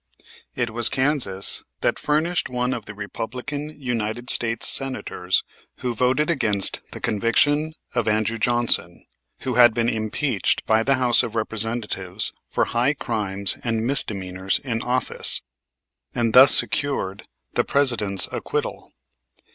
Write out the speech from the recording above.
It was Kansas that furnished one of the Republican United State Senators who voted against the conviction, of Andrew Johnson, who had been impeached by the House of Representatives for high crimes and misdemeanors in office, and thus secured the President's acquittal.